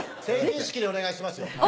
成人式でお願いしますよ。